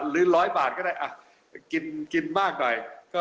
หรือ๑๐๐บาทก็ได้กินมากหน่อย